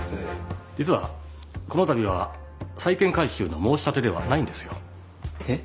実はこの度は債権回収の申し立てではないんですよ。えっ？